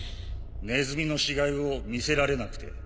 ネズミの死骸を見せられなくて。